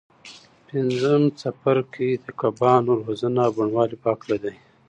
پنځم څپرکی د کبانو روزنه او بڼوالۍ په هکله دی.